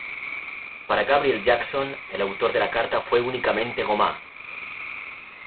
Para Gabriel Jackson, el autor de la carta fue únicamente Gomá.